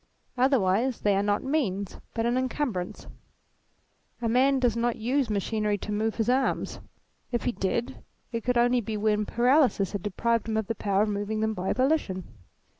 Otherwise they are not means, but an incumbrance. A man does not use machinery to move his arms. If he did, it could only be when paralysis had deprived him of the power of moving them by volition.